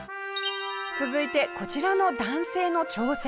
続いてこちらの男性の挑戦。